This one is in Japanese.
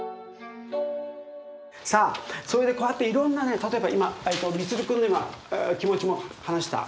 さあそれでこうやっていろんなね例えば今ミツル君の今気持ちも話した。